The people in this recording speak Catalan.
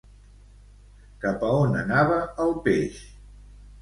Cap a on anava el peix?